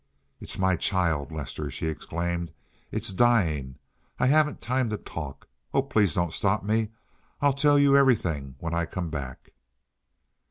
"It's my child, Lester," she exclaimed. "It's dying. I haven't time to talk. Oh, please don't stop me. I'll tell you everything when I come back."